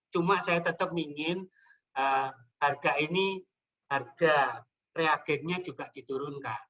cuma saya tetap ingin harga ini harga reagennya juga diturunkan